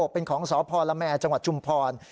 เป็นของสพละแมจังหวัดชุมพร